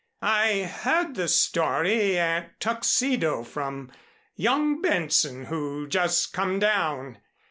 I heard the story at Tuxedo from young Benson who just come down.